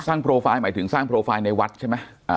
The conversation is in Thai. โปรไฟล์หมายถึงสร้างโปรไฟล์ในวัดใช่ไหม